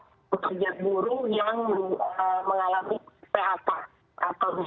karena kita sudah berada di dalam perjalanan yang berbeda